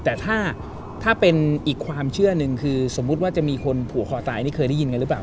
แต่ถ้าเป็นอีกความเชื่อหนึ่งคือสมมุติว่าจะมีคนผูกคอตายนี่เคยได้ยินกันหรือเปล่า